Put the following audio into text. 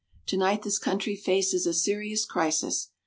Tonight this country faces a serious crisis.